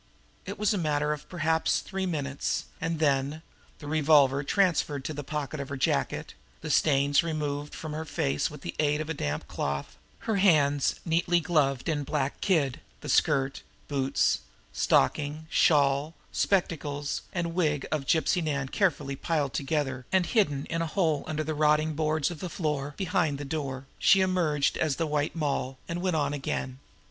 It was a matter of perhaps three minutes; and then, the revolver transferred to the pocket of her jacket, the stains removed from her face by the aid of the damp cloth, her hands neatly gloved in black kid, the skirt, boots, stockings, shawl, spectacles and wig of Gypsy Nan carefully piled together and hidden in a hole under the rotting boards of the floor, behind the door, she emerged as the White Moll, and went on again.